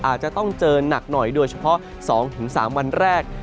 อาจจะต้องเจอหนักหน่อยโดยเฉพาะ๒๓วันแรก